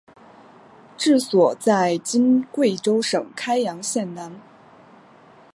治所在今贵州省开阳县南。